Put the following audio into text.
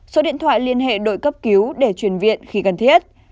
số điện thoại liên hệ đội cấp cứu để truyền viện khi cần thiết